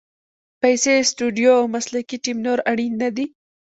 پیسې، سټوډیو او مسلکي ټیم نور اړین نه دي.